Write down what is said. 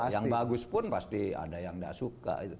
yang bagus pun pasti ada yang tidak suka